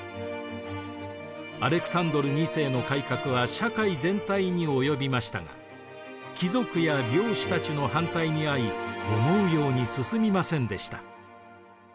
アレクサンドル２世の改革は社会全体に及びましたが貴族や領主たちの反対に遭い思うように進みませんでした。